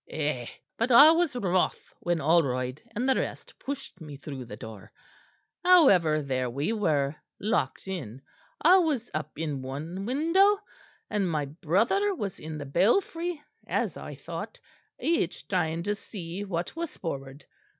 Eh! but I was wroth when Olroyd and the rest pushed me through the door. However, there we were, locked in; I was up in one window, and my brother was in the belfry as I thought, each trying to see what was forward.